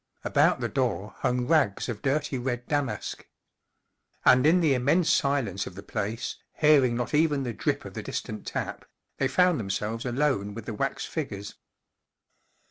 About the door hung rags of dirty red damask. And in the immense silence of the place, hearing not even the drip of the distant tap, they found themselves alone with the wax figures.